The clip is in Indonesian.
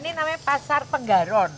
ini namanya pasar penggaron